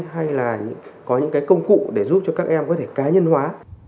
hay là có những cái công cụ để giúp cho các em có thể cá nhân hóa